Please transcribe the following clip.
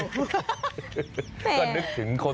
จะตกใจที่คุณเล่นมุกนี้อยู่